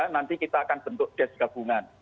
nanti kita akan bentuk des gabungan